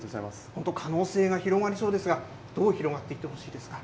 本当、可能性が広がりそうですが、どう広がっていってほしいですか？